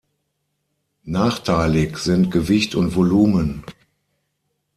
Nachteilig sind Gewicht und Volumen.